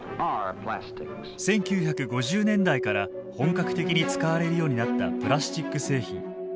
１９５０年代から本格的に使われるようになったプラスチック製品。